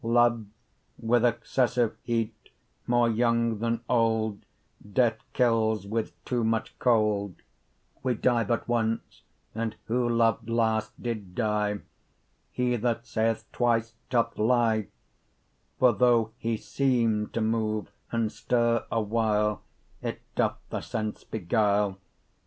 Love with excesse of heat, more yong then old, Death kills with too much cold; Wee dye but once, and who lov'd last did die, Hee that saith twice, doth lye: 10 For though hee seeme to move, and stirre a while, It doth the sense beguile.